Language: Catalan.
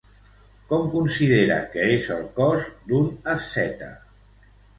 Com considera que és el cos d'un asceta?